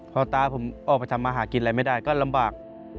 พอตาผมออกไปทำมาหากินอะไรไม่ได้ก็ลำบาก